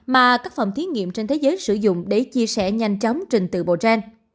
mà các phòng thí nghiệm trên thế giới sử dụng để chia sẻ nhanh chóng trình từ bộ gen